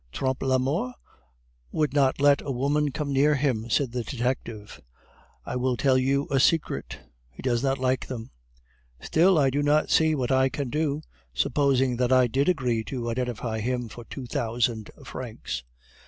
"Trompe la Mort would not let a woman come near him," said the detective. "I will tell you a secret he does not like them." "Still, I do not see what I can do, supposing that I did agree to identify him for two thousand francs."